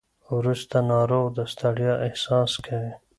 وروسته ناروغ د ستړیا احساس کوي.